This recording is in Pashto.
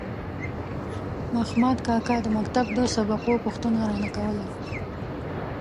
مخامد کاکا د مکتب د سبقو پوښتنه رانه کوله.